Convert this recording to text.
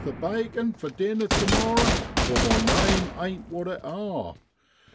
123 the bakin' for dinner tu morrer, or my name ain't what it are.'